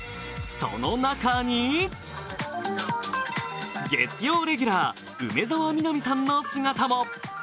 その中に、月曜レギュラー、梅澤美波さんの姿も。